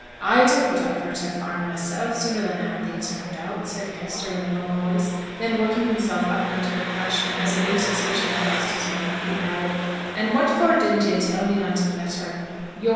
'I'd ha' put up for t' farm mysel', sooner than had thee turned out,' said Kester, in a low voice; then working himself up into a passion, as a new suspicion crossed his mind, he added, 'An' what for didn't yo' tell me on t' letter?